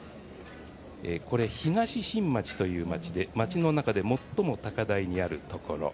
これ、東新町という町で町の中で最も高台にあるところ。